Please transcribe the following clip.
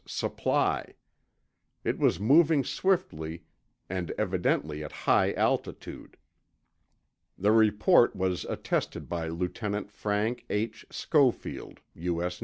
Supply. It was moving swiftly, and evidently at high altitude. The report was attested by Lieutenant Frank H. Schofield, U.S.N.